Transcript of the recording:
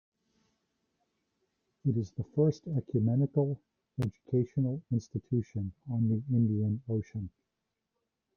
It is the first ecumenical educational institution on the Indian Ocean.